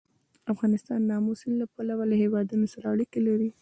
افغانستان د آمو سیند له پلوه له هېوادونو سره اړیکې لري.